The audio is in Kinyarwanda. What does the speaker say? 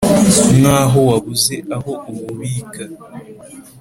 nk ' aho wabuze aho uwubika